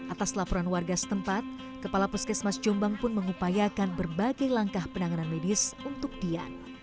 atas laporan warga setempat kepala puskesmas jombang pun mengupayakan berbagai langkah penanganan medis untuk dian